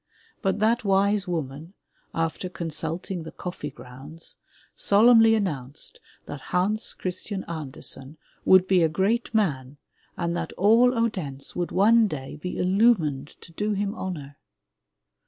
But that wise woman, after consulting the coffee grounds, solemnly announced that Hans Christian Andersen would be a great man and that all Odense would one day be illumined to do him honor!